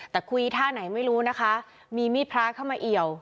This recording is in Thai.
แต่คุยท่าไหนไม่รู้นะคะมีมีดพระเข้ามาเอี่ยว